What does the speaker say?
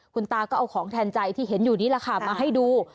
คุณตาก็เอาของแทนใจที่เห็นอยู่นี้แหละค่ะมาให้ดู